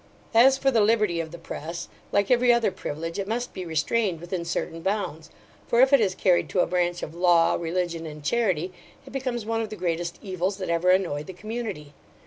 As for the liberty of the press, like every other privilege, it must be restrained within certain bounds; for if it is carried to a branch of law, religion, and charity, it becomes one of the greatest evils that ever annoyed the community.